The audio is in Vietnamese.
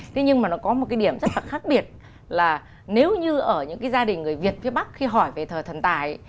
thế nhưng mà nó có một cái điểm rất là khác biệt là nếu như ở những cái gia đình người việt phía bắc khi hỏi về thờ thần tài